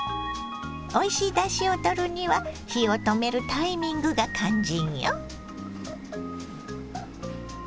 おいしいだしをとるには火を止めるタイミングが肝心よ。